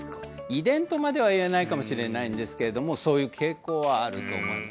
遺伝とまではいえないかもしれないんですけれどもそういう傾向はあると思います